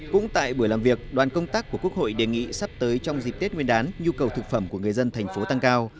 cũng tại buổi làm việc đoàn công tác của quốc hội đề nghị sắp tới trong dịp tết nguyên đán nhu cầu thực phẩm của người dân thành phố tăng cao